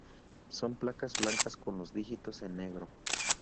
Son placas blancas con los dígitos en negro.